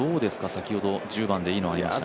先ほど、１０番でいいアイアン、ありましたが。